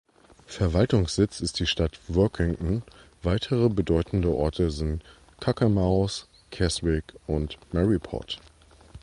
Verwaltungssitz ist die Stadt Workington; weitere bedeutende Orte sind Cockermouth, Keswick und Maryport.